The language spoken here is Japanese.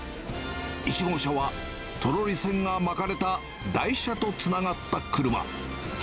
１号車はトロリ線が巻かれた台車とつながった車。